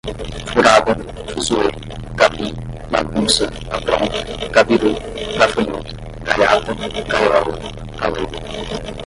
furada, fuzuê, gabi, bagunça, apronto, gabirú, gafanhoto, gaiata, gaiola, galego